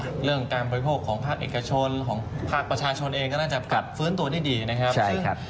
เรื่องการบริโภคของภาคเอกชนของภาคประชาชนเองก็น่าจะกลับฟื้นตัวได้ดีนะครับ